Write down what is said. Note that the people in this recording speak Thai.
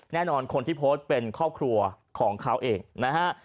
แน่นอนคนที่โพสต์เป็นครอบครัวของเขาเองนะฮะ